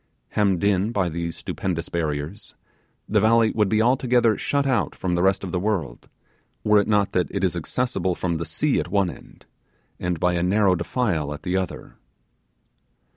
Hemmed in by these stupendous barriers, the valley would be altogether shut out from the rest of the world, were it not that it is accessible from the sea at one end, and by a narrow defile at the other.